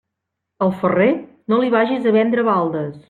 Al ferrer, no li vagis a vendre baldes.